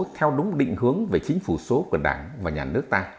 theo đúng định hướng về chính phủ số của đảng và nhà nước ta